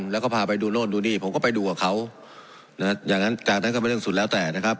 แล้วก็พาไปดูโน่นดูนี่ผมก็ไปดูกับเขาอย่างนั้นจากนั้นก็เป็นเรื่องสุดแล้วแต่นะครับ